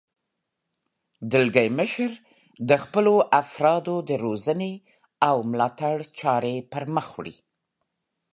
دلګی مشر د خپلو افرادو د روزنې او ملاتړ چارې پرمخ وړي.